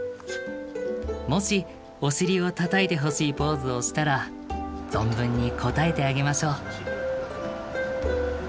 もしおしりを叩いてほしいポーズをしたら存分に応えてあげましょう。